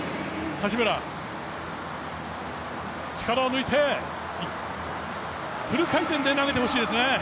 柏村、力を抜いてフル回転で投げてほしいですね。